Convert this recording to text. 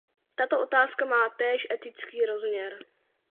Tato otázka má též etický rozměr.